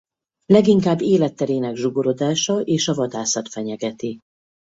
Leginkább életterének zsugorodása és a vadászat fenyegeti.